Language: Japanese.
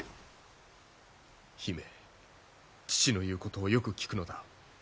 姫父の言うことをよく聞くのだ。